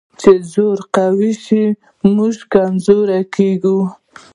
چې زور قوي شي، موږ کمزوري کېږو.